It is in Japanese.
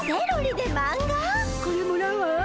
これもらうわ。